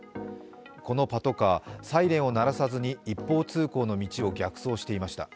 このパトカー、サイレンを鳴らさずに一方通行の道を逆走していました。